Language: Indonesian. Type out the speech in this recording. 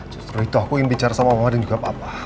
justru itu aku ingin bicara sama mama dan juga papa